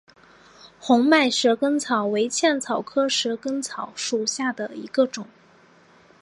红脉蛇根草为茜草科蛇根草属下的一个种。